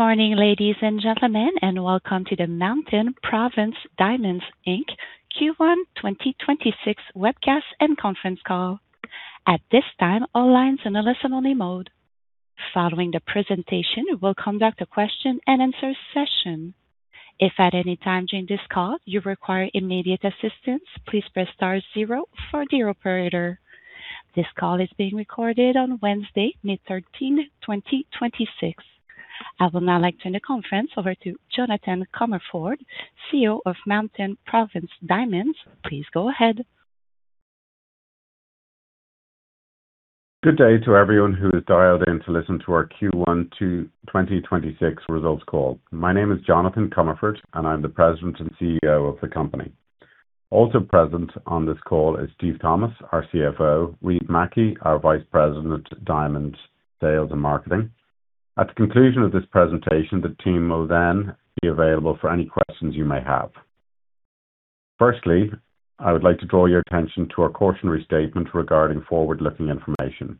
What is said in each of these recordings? Morning, ladies and gentlemen, welcome to the Mountain Province Diamonds Inc Q1 2026 webcast and conference call. At this time, all lines in a listen-only mode. Following the presentation, we'll conduct a question-and-answer session. If at any time during this call you require immediate assistance, please press star zero for the operator. This call is being recorded on Wednesday, May 13, 2026. I will now like to turn the conference over to Jonathan Comerford, CEO of Mountain Province Diamonds. Please go ahead. Good day to everyone who has dialed in to listen to our Q1 to 2026 results call. My name is Jonathan Comerford, and I'm the president and CEO of the company. Also present on this call is Steve Thomas, our CFO, Reid Mackie, our Vice President, Diamond Sales and Marketing. At the conclusion of this presentation, the team will then be available for any questions you may have. Firstly, I would like to draw your attention to our cautionary statement regarding forward-looking information.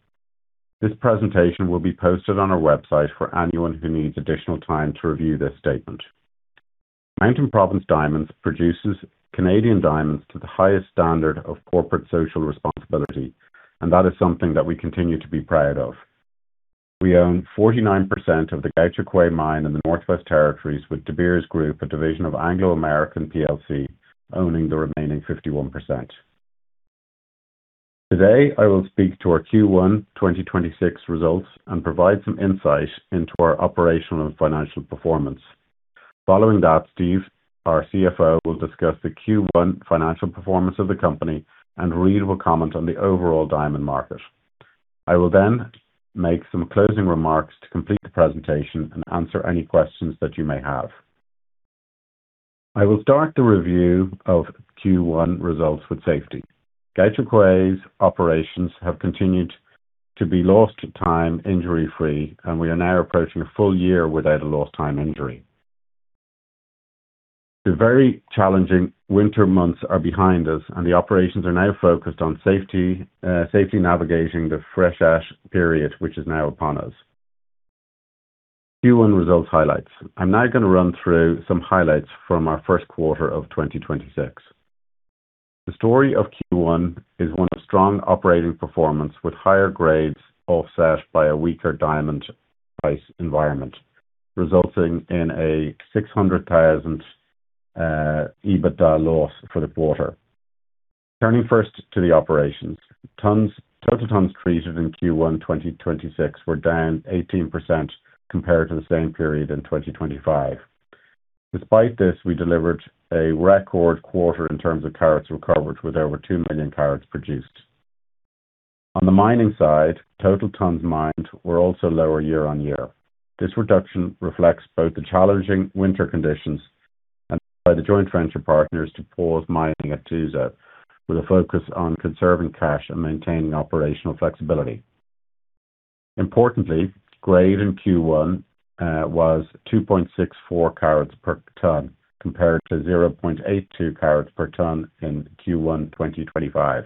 This presentation will be posted on our website for anyone who needs additional time to review this statement. Mountain Province Diamonds produces Canadian diamonds to the highest standard of corporate social responsibility, and that is something that we continue to be proud of. We own 49% of the Gahcho Kué mine in the Northwest Territories with De Beers Group, a division of Anglo American plc, owning the remaining 51%. Today, I will speak to our Q1 2026 results and provide some insight into our operational and financial performance. Following that, Steve, our CFO, will discuss the Q1 financial performance of the company, and Reid will comment on the overall diamond market. I will then make some closing remarks to complete the presentation and answer any questions that you may have. I will start the review of Q1 results with safety. Gahcho Kué's operations have continued to be lost-time-injury-free, and we are now approaching a full year without a lost time injury. The very challenging winter months are behind us, and the operations are now focused on safety navigating the freshet period, which is now upon us. Q1 results highlights. I'm now gonna run through some highlights from our first quarter of 2026. The story of Q1 is one of strong operating performance with higher grades offset by a weaker diamond price environment, resulting in a 600,000 EBITDA loss for the quarter. Turning first to the operations. Tonnes, total tonnes treated in Q1 2026 were down 18% compared to the same period in 2025. Despite this, we delivered a record quarter in terms of carats recovered, with over 2 million carats produced. On the mining side, total tonnes mined were also lower year-on-year. This reduction reflects both the challenging winter conditions and by the joint venture partners to pause mining at Tuzo with a focus on conserving cash and maintaining operational flexibility. Importantly, grade in Q1 was 2.64 carats per tonne, compared to 0.82 carats per tonne in Q1 2025.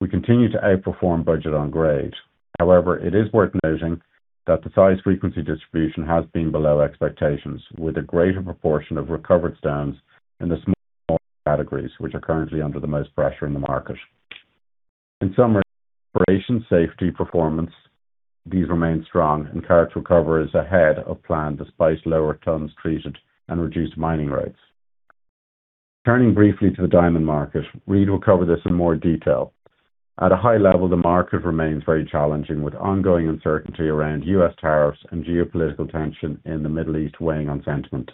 We continue to outperform budget on grade. It is worth noting that the size frequency distribution has been below expectations, with a greater proportion of recovered stones in the smaller categories, which are currently under the most pressure in the market. In summary, operation safety performance, these remain strong, and carats recover is ahead of plan despite lower tonnes treated and reduced mining rates. Turning briefly to the diamond market. Reid will cover this in more detail. At a high level, the market remains very challenging, with ongoing uncertainty around U.S. tariffs and geopolitical tension in the Middle East weighing on sentiment.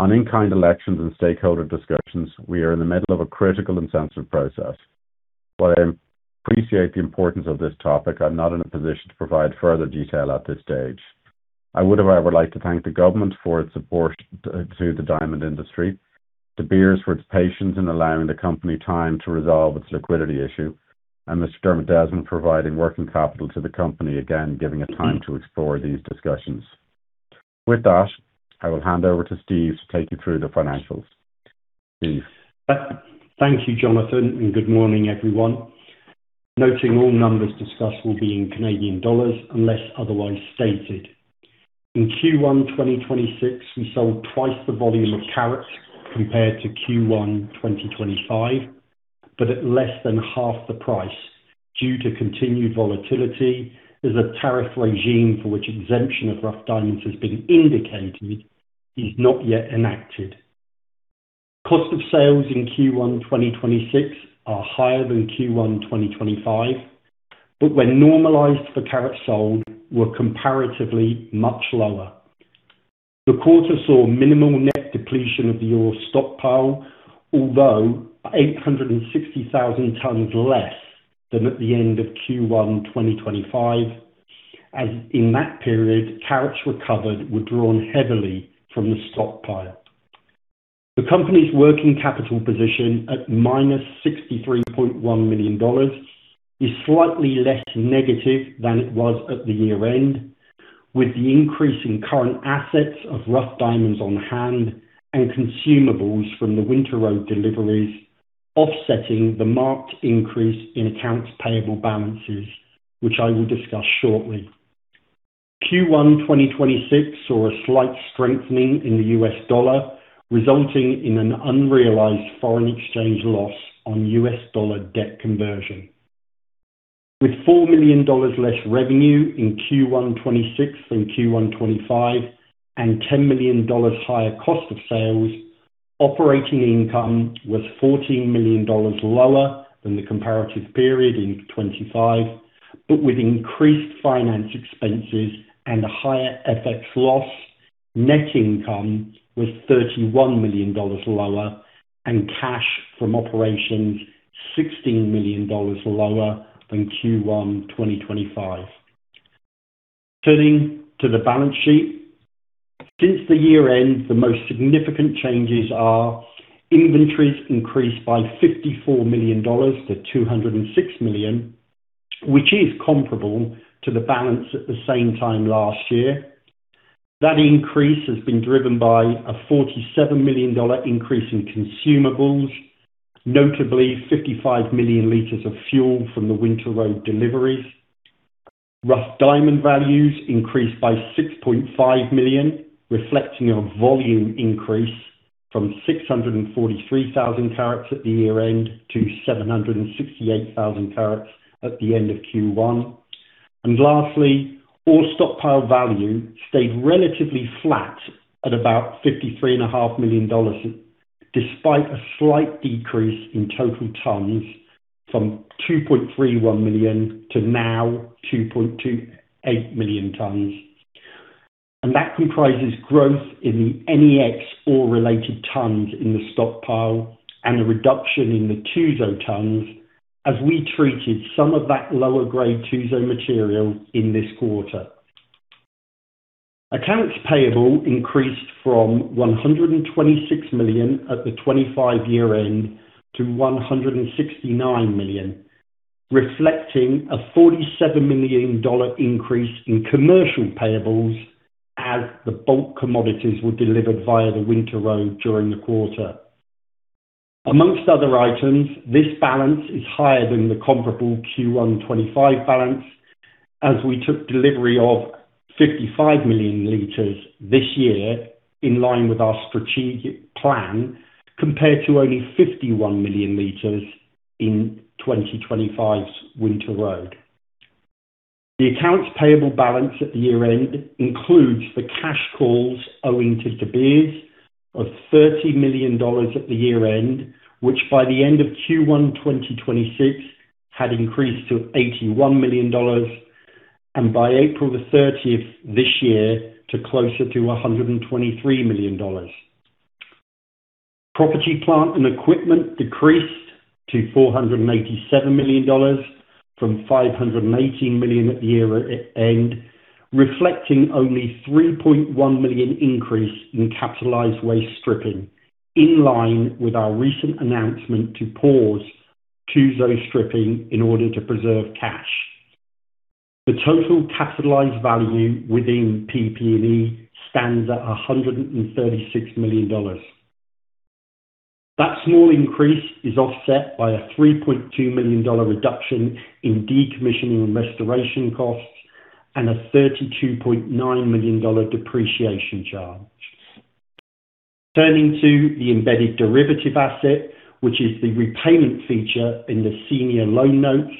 On in-kind elections and stakeholder discussions, we are in the middle of a critical and sensitive process. While I appreciate the importance of this topic, I'm not in a position to provide further detail at this stage. I would, however, like to thank the government for its support to the diamond industry, De Beers for its patience in allowing the company time to resolve its liquidity issue, and Mr. Dermot Desmond providing working capital to the company, again, giving it time to explore these discussions. With that, I will hand over to Steve to take you through the financials. Steve. Thank you, Jonathan. Good morning, everyone. Noting all numbers discussed will be in Canadian dollars unless otherwise stated. In Q1 2026, we sold twice the volume of carats compared to Q1 2025, but at less than half the price due to continued volatility as a tariff regime for which exemption of rough diamonds has been indicated is not yet enacted. Cost of sales in Q1 2026 are higher than Q1 2025, but when normalized for carats sold, were comparatively much lower. The quarter saw minimal net depletion of the ore stockpile, although 860,000 tonnes less than at the end of Q1 2025, as in that period, carats recovered were drawn heavily from the stockpile. The company's working capital position at -63.1 million dollars is slightly less negative than it was at the year-end, with the increase in current assets of rough diamonds on hand and consumables from the winter road deliveries. Offsetting the marked increase in accounts payable balances, which I will discuss shortly. Q1 2026 saw a slight strengthening in the U.S. dollar, resulting in an unrealized foreign exchange loss on U.S. dollar debt conversion. With 4 million dollars less revenue in Q1 2026 than Q1 2025 and 10 million dollars higher cost of sales, operating income was 14 million dollars lower than the comparative period in 2025. With increased finance expenses and a higher FX loss, net income was 31 million dollars lower and cash from operations 16 million dollars lower than Q1 2025. Turning to the balance sheet. Since the year-end, the most significant changes are inventories increased by 54 million dollars to 206 million, which is comparable to the balance at the same time last year. That increase has been driven by a 47 million dollar increase in consumables, notably 55,000,000 L of fuel from the winter road deliveries. Rough diamond values increased by 6.5 million, reflecting a volume increase from 643,000 carats at the year-end to 768,000 carats at the end of Q1. Lastly, ore stockpile value stayed relatively flat at about 53.5 million dollars, despite a slight decrease in total tonnes from 2.31 million tonnes to now 2.28 million tonnes. That comprises growth in the NEX ore-related tonnes in the stockpile and a reduction in the Tuzo tonnes as we treated some of that lower grade Tuzo material in this quarter. Accounts payable increased from 126 million at the 2025 year-end to 169 million, reflecting a 47 million dollar increase in commercial payables as the bulk commodities were delivered via the winter road during the quarter. Amongst other items, this balance is higher than the comparable Q1 2025 balance as we took delivery of 55,000,000 L this year in line with our strategic plan, compared to only 51,000,000 L in 2025's winter road. The accounts payable balance at the year-end includes the cash calls owing to De Beers of 30 million dollars at the year-end, which by the end of Q1 2026 had increased to 81 million dollars, and by April 30th this year to closer to 123 million dollars. Property, plant and equipment decreased to 487 million dollars from 518 million at the year-end, reflecting only 3.1 million increase in capitalized waste stripping in line with our recent announcement to pause Tuzo stripping in order to preserve cash. The total capitalized value within PP&E stands at 136 million dollars. That small increase is offset by a 3.2 million dollar reduction in decommissioning and restoration costs and a 32.9 million dollar depreciation charge. Turning to the embedded derivative asset, which is the repayment feature in the senior loan notes.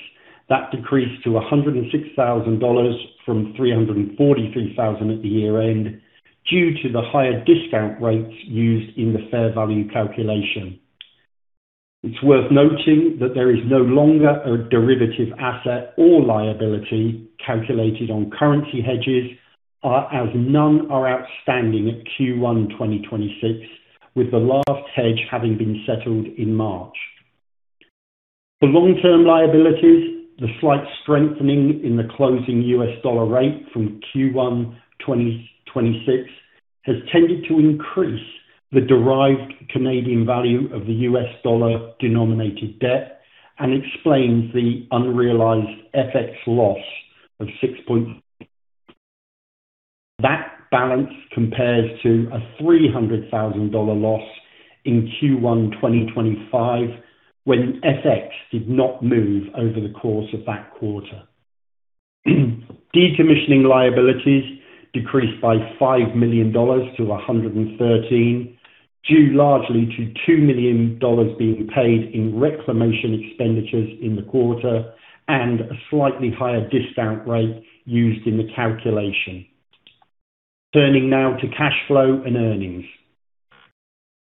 That decreased to 106,000 dollars from 343,000 at the year-end due to the higher discount rates used in the fair value calculation. It's worth noting that there is no longer a derivative asset or liability calculated on currency hedges, as none are outstanding at Q1 2026, with the last hedge having been settled in March. For long-term liabilities, the slight strengthening in the closing U.S. dollar rate from Q1 2026 has tended to increase the derived Canadian value of the U.S. dollar-denominated debt and explains the unrealized FX loss of 6 points. That balance compares to a 300,000 dollar loss in Q1 2025 when FX did not move over the course of that quarter. Decommissioning liabilities decreased by 5 million dollars to 113 million, due largely to 2 million dollars being paid in reclamation expenditures in the quarter and a slightly higher discount rate used in the calculation. Turning now to cash flow and earnings.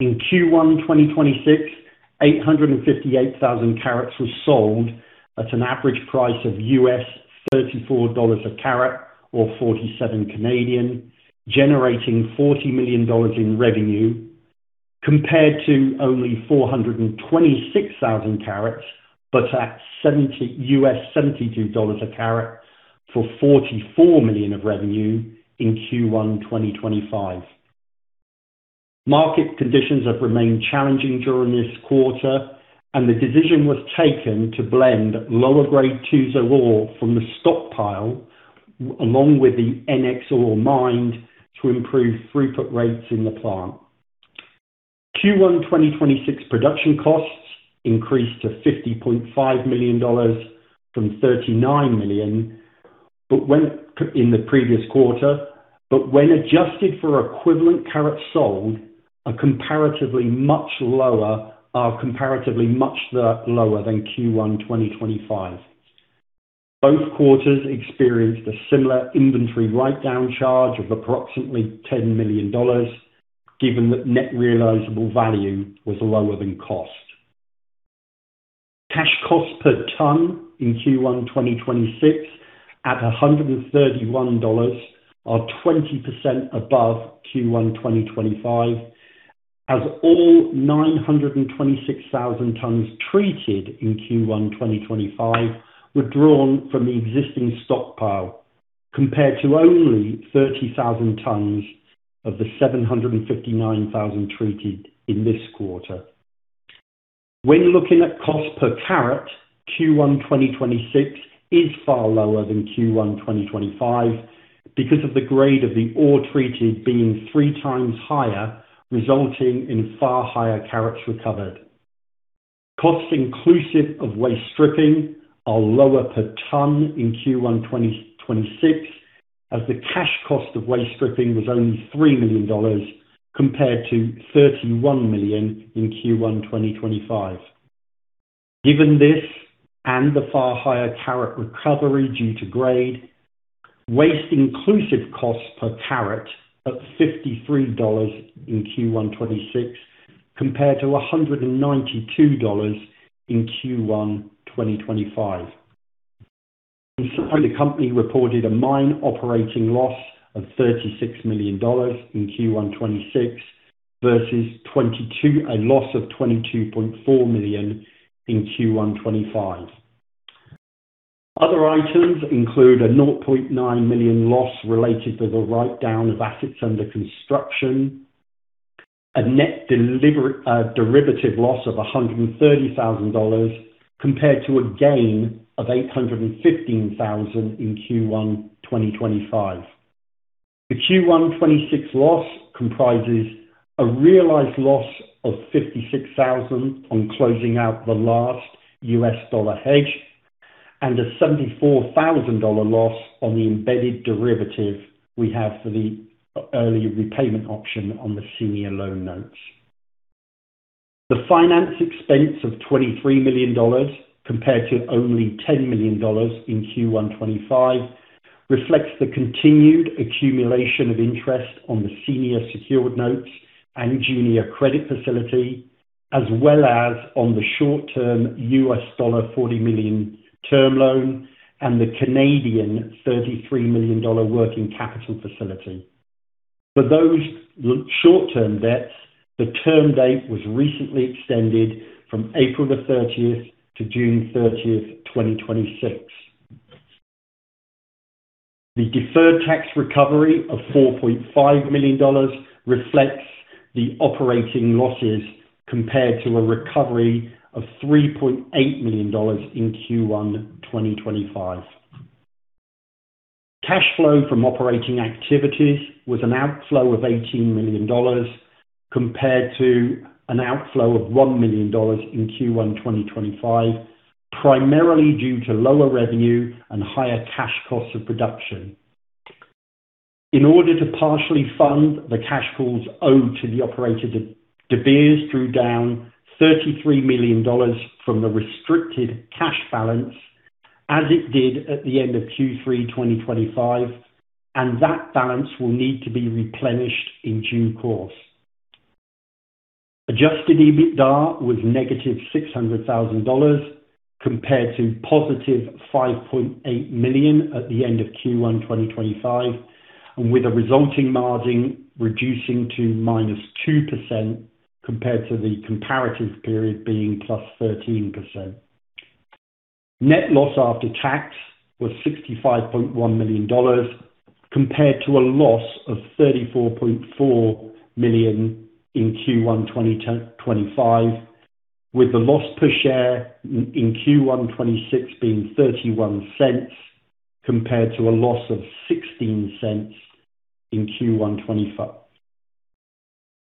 In Q1 2026, 858,000 carats were sold at an average price of $34 a carat or 47, generating 40 million dollars in revenue, compared to only 426,000 carats, but at $72 a carat for 44 million of revenue in Q1 2025. Market conditions have remained challenging during this quarter, and the decision was taken to blend lower grade Tuzo ore from the stockpile along with the NEX ore mined to improve throughput rates in the plant. Q1 2026 production costs increased to 50.5 million dollars from 39 million, but when, in the previous quarter. When adjusted for equivalent carats sold are comparatively much lower than Q1 2025. Both quarters experienced a similar inventory write-down charge of approximately 10 million dollars, given that net realizable value was lower than cost. Cash cost per tonne in Q1 2026 at 131 dollars are 20% above Q1 2025, as all 926,000 tonnes treated in Q1 2025 were drawn from the existing stockpile, compared to only 30,000 tonnes of the 759,000 treated in this quarter. When looking at cost per carat, Q1 2026 is far lower than Q1 2025 because of the grade of the ore treated being 3x higher, resulting in far higher carats recovered. Costs inclusive of waste stripping are lower per tonne in Q1 2026, as the cash cost of waste stripping was only 3 million dollars compared to 31 million in Q1 2025. Given this and the far higher carat recovery due to grade, waste inclusive costs per carat at 53 dollars in Q1 2026 compared to 192 dollars in Q1 2025. The company reported a mine operating loss of 36 million dollars in Q1 2026 versus a loss of 22.4 million in Q1 2025. Other items include a 0.9 million loss related to the write-down of assets under construction, a net embedded derivative loss of 130,000 dollars compared to a gain of 815,000 in Q1 2025. The Q1 2026 loss comprises a realized loss of 56,000 on closing out the last U.S. dollar hedge and a 74,000 dollar loss on the embedded derivative we have for the early repayment option on the senior loan notes. The finance expense of 23 million dollars compared to only 10 million dollars in Q1 2025 reflects the continued accumulation of interest on the senior secured notes and junior credit facility, as well as on the short-term $40 million term loan and the Canadian 33 million Canadian dollars working capital facility. For those short-term debts, the term date was recently extended from April 30th to June 30th, 2026. The deferred tax recovery of 4.5 million dollars reflects the operating losses compared to a recovery of 3.8 million dollars in Q1 2025. Cash flow from operating activities was an outflow of 18 million dollars compared to an outflow of 1 million dollars in Q1 2025, primarily due to lower revenue and higher cash costs of production. In order to partially fund the cash flows owed to the operator, De Beers drew down 33 million dollars from the restricted cash balance as it did at the end of Q3 2025, and that balance will need to be replenished in due course. Adjusted EBITDA was -600,000 dollars compared to +5.8 million at the end of Q1 2025, and with a resulting margin reducing to -2% compared to the comparative period being +13%. Net loss after tax was 65.1 million dollars compared to a loss of 34.4 million in Q1 2025, with the loss per share in Q1 2026 being 0.31 compared to a loss of 0.16 in Q1 2025.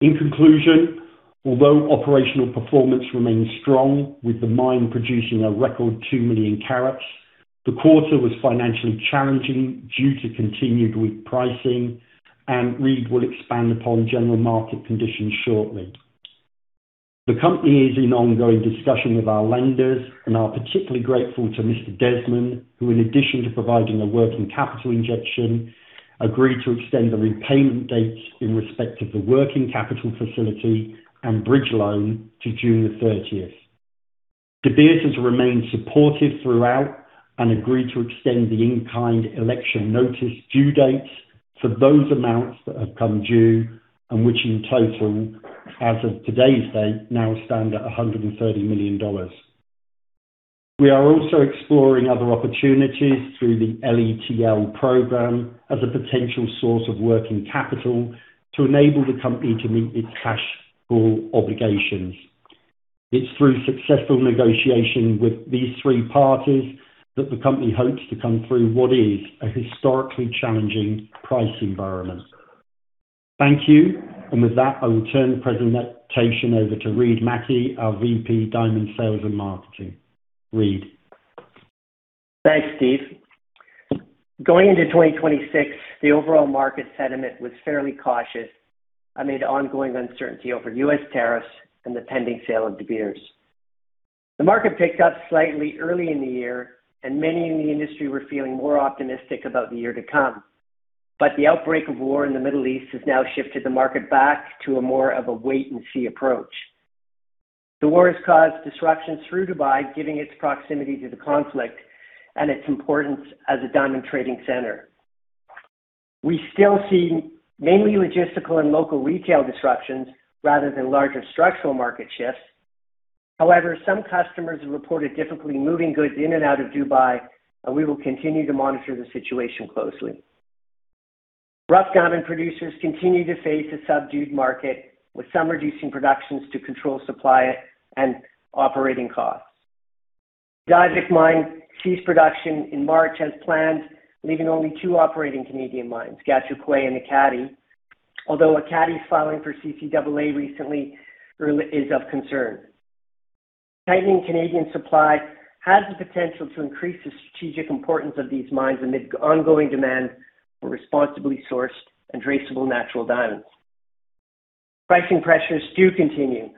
In conclusion, although operational performance remains strong with the mine producing a record 2 million carats, the quarter was financially challenging due to continued weak pricing. Reid will expand upon general market conditions shortly. The company is in ongoing discussion with our lenders and are particularly grateful to Mr. Desmond, who in addition to providing a working capital injection, agreed to extend the repayment dates in respect of the working capital facility and bridge loan to June 30th. De Beers has remained supportive throughout and agreed to extend the in-kind election notice due dates for those amounts that have come due and which in total, as of today's date, now stand at 130 million dollars. We are also exploring other opportunities through the LETL program as a potential source of working capital to enable the company to meet its cash flow obligations. It's through successful negotiation with these three parties that the company hopes to come through what is a historically challenging price environment. Thank you. With that, I will turn the presentation over to Reid Mackie, our VP, Diamond Sales and Marketing. Reid. Thanks, Steve. Going into 2026, the overall market sentiment was fairly cautious amid ongoing uncertainty over U.S. tariffs and the pending sale of De Beers. The market picked up slightly early in the year, and many in the industry were feeling more optimistic about the year to come. The outbreak of war in the Middle East has now shifted the market back to a more of a wait and see approach. The war has caused disruptions through Dubai, given its proximity to the conflict and its importance as a diamond trading center. We still see mainly logistical and local retail disruptions rather than larger structural market shifts. However, some customers have reported difficulty moving goods in and out of Dubai, and we will continue to monitor the situation closely. Rough diamond producers continue to face a subdued market, with some reducing productions to control supply and operating costs. Diavik Mine ceased production in March as planned, leaving only two operating Canadian mines, Gahcho Kué and Ekati, although Ekati's filing for CCAA recently really is of concern. Tightening Canadian supply has the potential to increase the strategic importance of these mines amid ongoing demand for responsibly sourced and traceable natural diamonds. Pricing pressures do continue,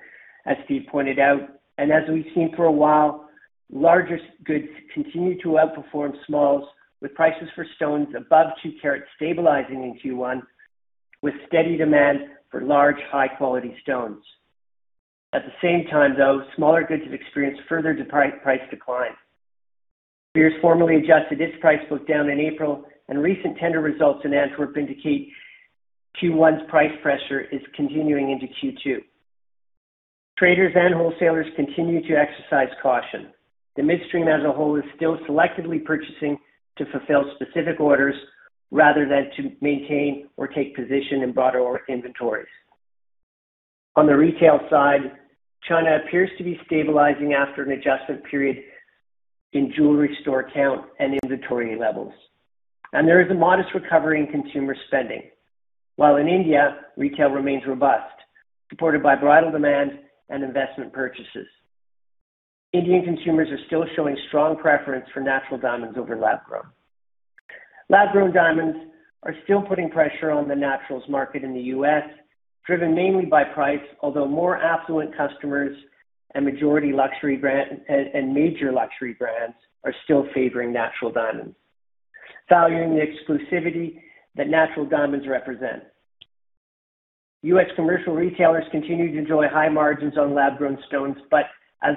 as Steve pointed out, and as we've seen for a while, larger goods continue to outperform smalls, with prices for stones above 2 carats stabilizing in Q1, with steady demand for large, high-quality stones. At the same time, though, smaller goods have experienced further price decline. De Beers formally adjusted its price book down in April, and recent tender results in Antwerp indicate Q1's price pressure is continuing into Q2. Traders and wholesalers continue to exercise caution. The midstream as a whole is still selectively purchasing to fulfill specific orders rather than to maintain or take position in broader inventories. On the retail side, China appears to be stabilizing after an adjustment period in jewelry store count and inventory levels, and there is a modest recovery in consumer spending. In India, retail remains robust, supported by bridal demand and investment purchases. Indian consumers are still showing strong preference for natural diamonds over lab grown. Lab grown diamonds are still putting pressure on the naturals market in the U.S., driven mainly by price, although more affluent customers and majority luxury brand and major luxury brands are still favoring natural diamonds, valuing the exclusivity that natural diamonds represent. U.S. commercial retailers continue to enjoy high margins on lab-grown stones, but as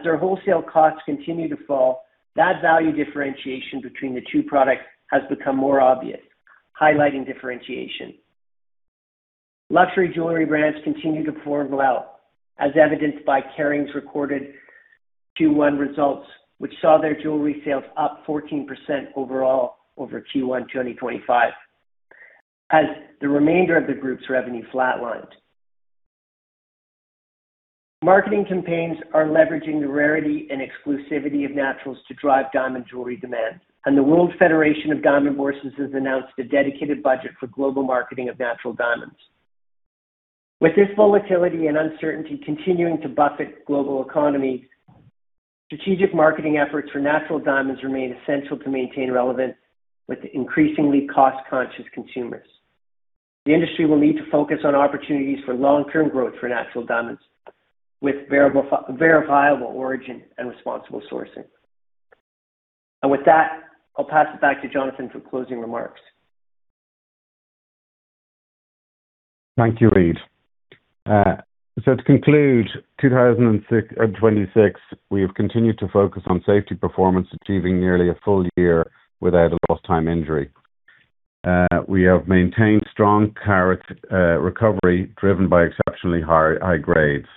their wholesale costs continue to fall, that value differentiation between the two products has become more obvious, highlighting differentiation. Luxury jewelry brands continue to perform well, as evidenced by Kering's recorded Q1 results, which saw their jewelry sales up 14% overall over Q1 2025, as the remainder of the group's revenue flatlined. Marketing campaigns are leveraging the rarity and exclusivity of naturals to drive diamond jewelry demand, and the World Federation of Diamond Bourses has announced a dedicated budget for global marketing of natural diamonds. With this volatility and uncertainty continuing to buffet global economies, strategic marketing efforts for natural diamonds remain essential to maintain relevance with the increasingly cost-conscious consumers. The industry will need to focus on opportunities for long-term growth for natural diamonds with verifiable origin and responsible sourcing. With that, I'll pass it back to Jonathan for closing remarks. Thank you, Reid. To conclude, 2026, we have continued to focus on safety performance, achieving nearly a full year without a lost time injury. We have maintained strong carat recovery driven by exceptionally high grades.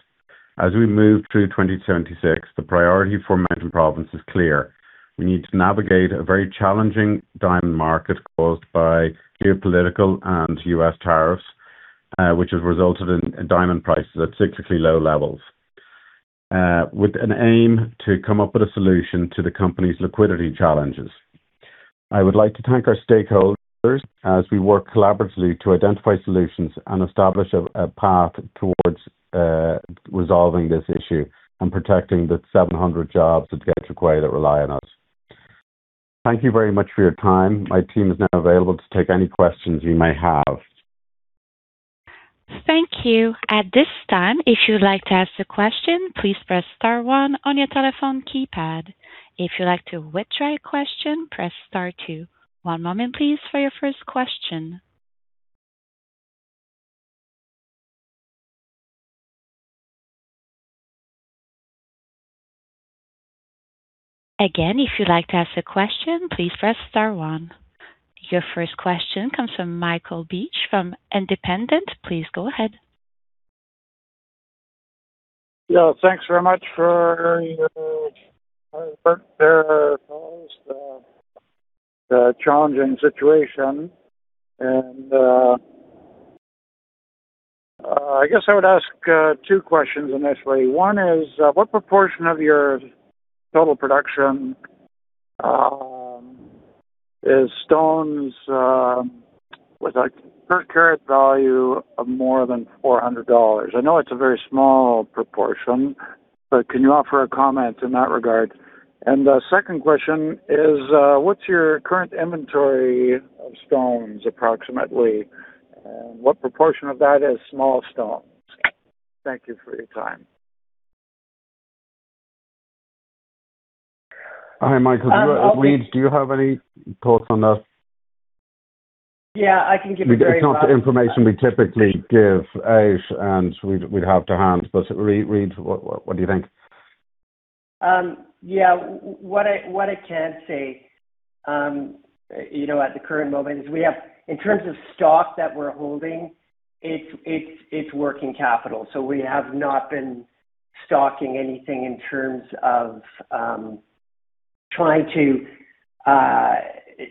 As we move through 2026, the priority for Mountain Province is clear. We need to navigate a very challenging diamond market caused by geopolitical and U.S. tariffs, which has resulted in diamond prices at significantly low levels, with an aim to come up with a solution to the company's liquidity challenges. I would like to thank our stakeholders as we work collaboratively to identify solutions and establish a path towards resolving this issue and protecting the 700 jobs at Gahcho Kué that rely on us. Thank you very much for your time. My team is now available to take any questions you may have. Thank you. At this time, if you'd like to ask a question, please press star one on your telephone keypad. If you'd like to withdraw your question, press star two. One moment, please, for your first question. Again, if you'd like to ask a question, please press star one. Your first question comes from [Michael Beach] from Independent. Please go ahead. Yeah, thanks very much for your for telling us the challenging situation. I guess I would ask two questions initially. One is what proportion of your total production is stones with a per carat value of more than 400 dollars? I know it's a very small proportion, but can you offer a comment in that regard? The second question is what's your current inventory of stones, approximately? What proportion of that is small stones? Thank you for your time. Hi, Michael. Reid, do you have any thoughts on that? Yeah, I can give you very broad- It's not the information we typically give out, and we'd have to hand, but, Reid, what do you think? Yeah. What I can say, you know, at the current moment is, in terms of stock that we're holding, it's working capital. We have not been stocking anything in terms of trying to,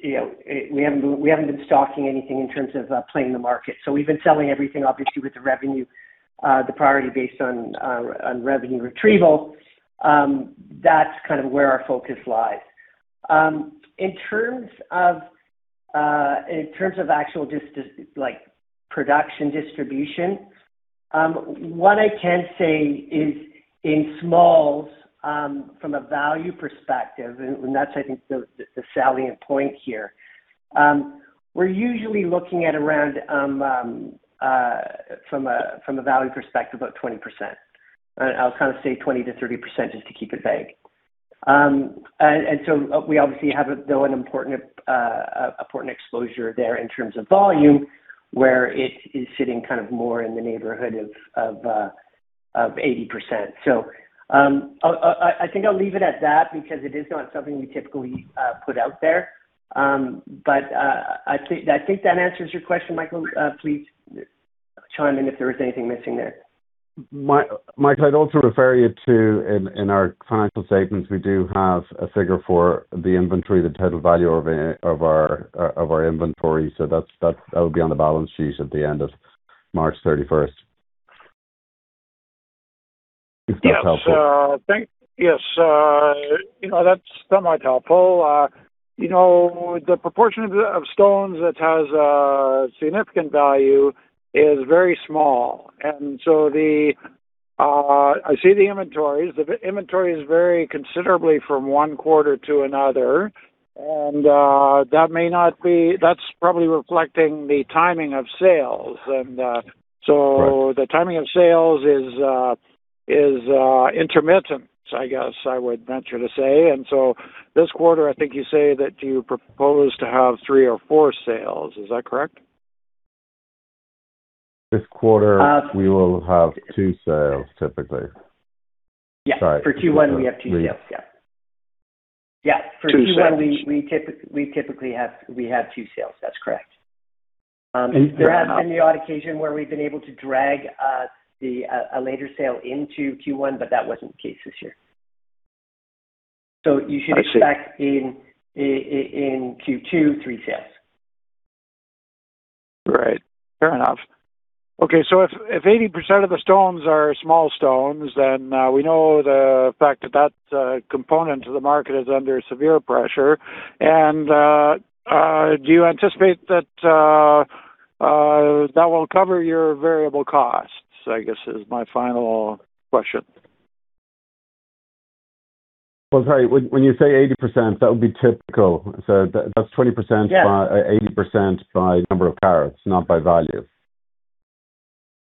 you know, we haven't been stocking anything in terms of playing the market. We've been selling everything obviously with the revenue, the priority based on revenue retrieval. That's kind of where our focus lies. In terms of in terms of actual production distribution, what I can say is in smalls, from a value perspective, and that's I think the salient point here, we're usually looking at around from a value perspective, about 20%. I'll kind of say 20%-30% just to keep it vague. We obviously have, though, an important exposure there in terms of volume, where it is sitting kind of more in the neighborhood of 80%. I think I'll leave it at that because it is not something we typically put out there. I think that answers your question, Michael. Please chime in if there is anything missing there. Michael, I'd also refer you to in our financial statements, we do have a figure for the inventory, the total value of our inventory. That would be on the balance sheet at the end of March 31st. If that's helpful. Yes. You know, that's somewhat helpful. You know, the proportion of stones that has a significant value is very small. The, I see the inventories. The inventory is varying considerably from one quarter to another, and that's probably reflecting the timing of sales. Right. The timing of sales is intermittent, I guess I would venture to say. This quarter, I think you say that you propose to have three or four sales. Is that correct? This quarter, we will have two sales, typically. Yeah. For Q1, we have two sales. Two sales. We typically have two sales. That's correct. There have been the odd occasion where we've been able to drag a later sale into Q1, but that wasn't the case this year. I see. You should expect in Q2, three sales. Right. Fair enough. Okay. If 80% of the stones are small stones, we know the fact that that component to the market is under severe pressure. Do you anticipate that that will cover your variable costs, I guess is my final question. Well, sorry. When you say 80%, that would be typical. that's 20%- Yeah. 80% by number of carats, not by value.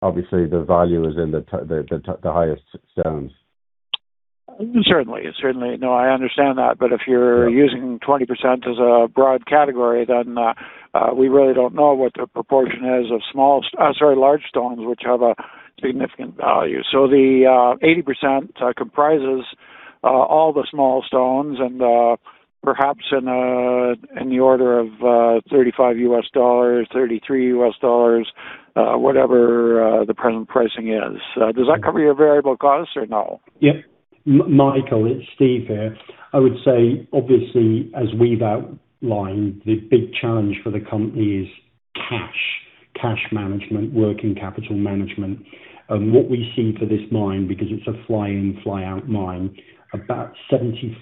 Obviously, the value is in the highest stones. Certainly. No, I understand that. Yeah. But if you're using 20% as a broad category, then, we really don't know what the proportion is of small, sorry, large stones, which have a significant value. The 80% comprises all the small stones and perhaps in the order of $35-$33, whatever, the present pricing is. Does that cover your variable costs or no? Yeah. Michael, it's Steve here. I would say, obviously, as we've outlined, the big challenge for the company is cash. Cash management, working capital management. What we see for this mine, because it's a fly-in, fly-out mine, about 75%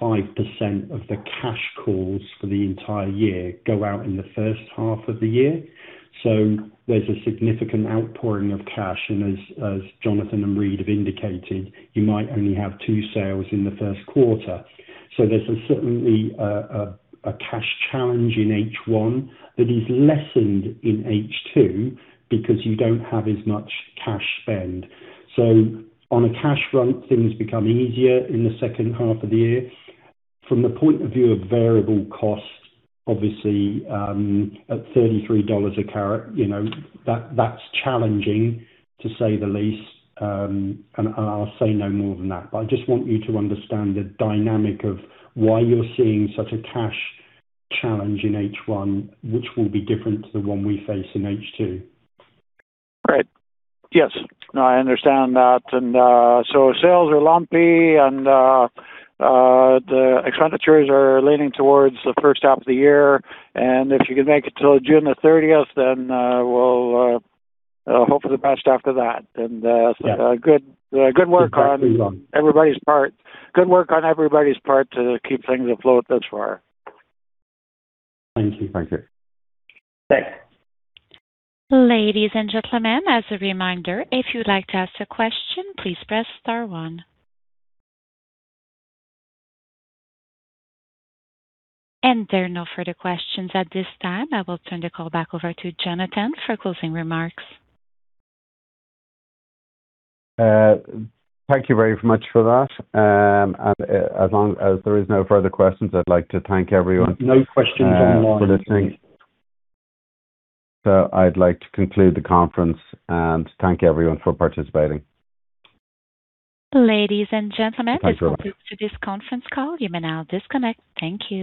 of the cash calls for the entire year go out in the first half of the year. There's a significant outpouring of cash. As Jonathan and Reid have indicated, you might only have two sales in the first quarter. There's certainly a cash challenge in H1 that is lessened in H2 because you don't have as much cash spend. On a cash front, things become easier in the second half of the year. From the point of view of variable costs, obviously, at $33 a carat, you know, that's challenging, to say the least. I'll say no more than that. I just want you to understand the dynamic of why you're seeing such a cash challenge in H1, which will be different to the one we face in H2. Right. Yes. No, I understand that. Sales are lumpy and the expenditures are leaning towards the first half of the year. If you can make it till June 30th, then we'll hope for the best after that. Yeah. Good work on everybody's part to keep things afloat thus far. Thank you, Michael. Thanks. Ladies and gentlemen, as a reminder, if you'd like to ask a question, please press star one. There are no further questions at this time. I will turn the call back over to Jonathan for closing remarks. Thank you very much for that. As long as there is no further questions, I'd like to thank everyone. No questions on the line. For listening. I'd like to conclude the conference and thank everyone for participating. Ladies and gentlemen. Thanks, everyone. Thank you for this conference call. You may now disconnect. Thank you.